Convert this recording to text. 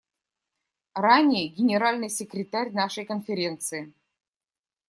Ранее Генеральный секретарь нашей Конференции.